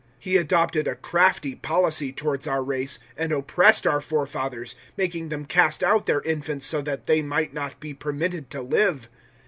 007:019 He adopted a crafty policy towards our race, and oppressed our forefathers, making them cast out their infants so that they might not be permitted to live.